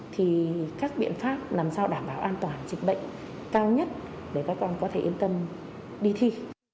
thì các biện pháp làm sao đảm bảo an toàn dịch bệnh cao nhất để các con có thể yên tâm đi thi